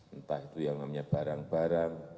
entah itu yang namanya barang barang